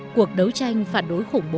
cuộc đấu tranh phản đối khủng bố